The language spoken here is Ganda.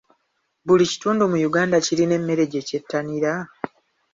Buli kitundu mu Uganda kirina emmere gye kyettanira?